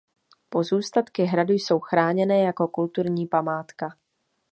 Pozůstatky hradu jsou chráněné jako kulturní památka.